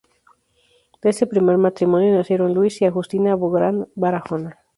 De este primer matrimonio nacieron Luis y Agustina Bográn Barahona.